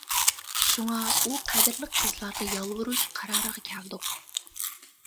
شۇڭا ئۇ قەدىرلىك قىزلارغا يالۋۇرۇش قارارىغا كەلدۇق.